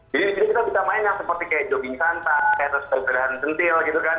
jadi di situ kita bisa main yang seperti kayak jogging santai kayak terus keberahan centil gitu kan